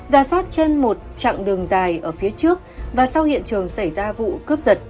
giả soát trên một trạng đường dài ở phía trước và sau hiện trường xảy ra vụ cướp giật